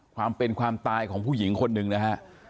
ความเป็นความตายของผู้หญิงคนหนึ่งนะฮะ